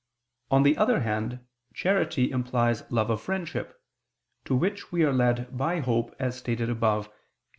On the other hand, charity implies love of friendship, to which we are led by hope, as stated above (Q.